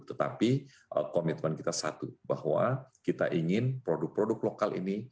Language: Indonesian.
tetapi komitmen kita satu bahwa kita ingin produk produk lokal ini